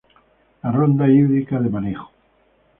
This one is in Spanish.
La ronda hídrica de manejo.